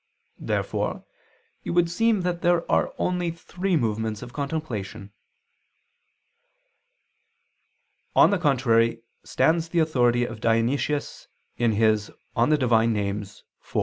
Therefore it would seem that there are only three movements of contemplation. On the contrary, stands the authority of Dionysius (Div. Nom. iv).